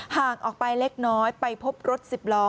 ห่างออกไปเล็กน้อยไปพบรถ๑๐ล้อ